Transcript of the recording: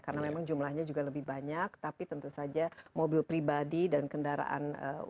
karena memang jumlahnya juga lebih banyak tapi tentu saja mobil pribadi dan kendaraan ubah